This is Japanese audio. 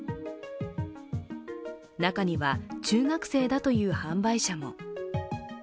中には、中学生だという販売者も。